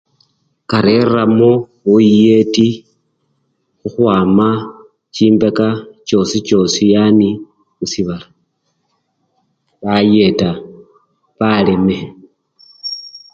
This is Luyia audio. Kareramo buyeti khukhwama chimbeka chosi chosi yani musibala bayeta baleme.